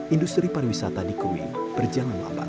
industri pariwisata di kumi berjalan lambat